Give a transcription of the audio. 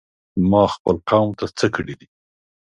ما خپل قوم ته څه کړي دي؟!